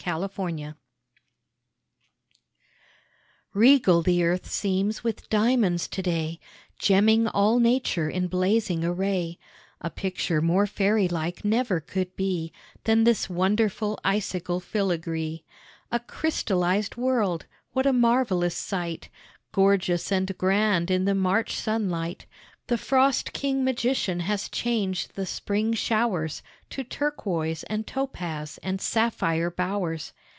THE SLEET Regal the earth seems with diamonds today, Gemming all nature in blazing array; A picture more fairy like never could be Than this wonderful icicle filigree. A crystallized world! What a marvelous sight, Gorgeous and grand in the March sunlight! The frost king magician has changed the spring showers To turquois and topaz and sapphire bowers.